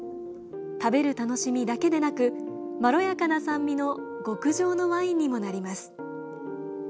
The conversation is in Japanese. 食べる楽しみだけでなくまろやかな酸味の極上のワインにもなります。